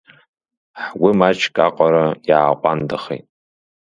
Ҳгәы маҷк аҟара иааҟәандахеит.